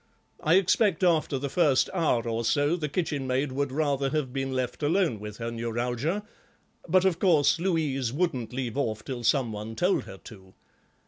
I expect after the first hour or so the kitchenmaid would rather have been left alone with her neuralgia, but of course Louise wouldn't leave off till some one told her to.